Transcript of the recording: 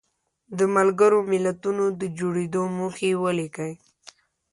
د ملګرو ملتونو د جوړېدو موخې ولیکئ.